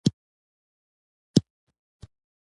ځینې چینجي لس ورځې او ځینې یې شاوخوا دېرش ورځې ژوند کوي.